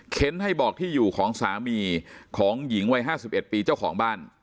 ให้บอกที่อยู่ของสามีของหญิงวัย๕๑ปีเจ้าของบ้าน